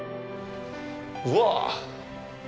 うわあ！